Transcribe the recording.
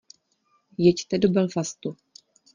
Jeďte do Belfastu.